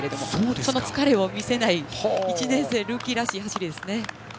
その疲れを見せない１年生ルーキーらしい走りですね。